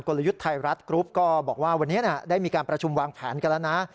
ลยุทธ์ไทยรัฐกรุ๊ปก็บอกว่าวันนี้ได้มีการประชุมวางแผนกันแล้วนะ